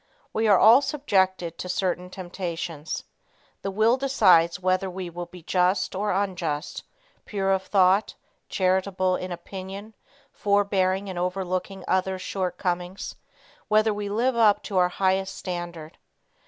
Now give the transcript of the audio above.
We are all subjected to certain temptations. The Will decides whether we will be just, or unjust; pure of thought; charitable in opinion; forbearing in overlooking other's shortcomings; whether we live up to our highest standard.